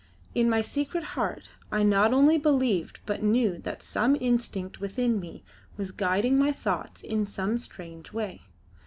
In my secret heart I not only believed but knew that some instinct within me was guiding my thoughts in some strange way.